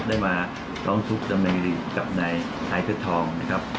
ได้มาร้องทุกข์จำแมงดีกับนายไทยเพศทองนะครับ